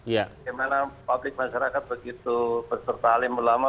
bagaimana publik masyarakat begitu berserta alim ulama